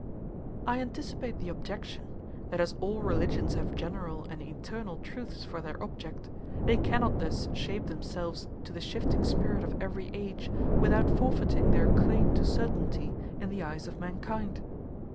] I anticipate the objection, that as all religions have general and eternal truths for their object, they cannot thus shape themselves to the shifting spirit of every age without forfeiting their claim to certainty in the eyes of mankind.